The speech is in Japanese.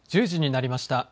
１０時になりました。